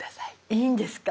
いいんですか？